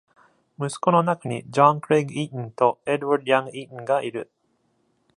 息子の中に John Craig Eaton と Edward Young Eaton がいる。